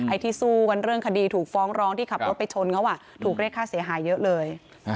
ที่สู้กันเรื่องคดีถูกฟ้องร้องที่ขับรถไปชนเขาถูกเรียกค่าเสียหายเยอะเลย